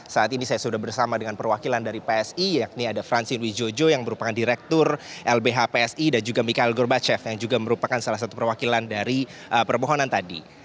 saat ini saya sudah bersama dengan perwakilan dari psi yakni ada francin wijojo yang merupakan direktur lbh psi dan juga mikhail gorbachev yang juga merupakan salah satu perwakilan dari permohonan tadi